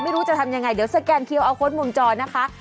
ไม่รู้จะทำยังไงเดี๋ยวสแกนคิวเอาโค้ดมุมจอนะคะ